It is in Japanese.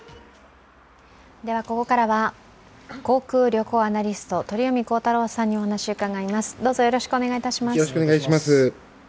ここからは航空・旅行アナリスト鳥海高太朗さんにお話を伺います。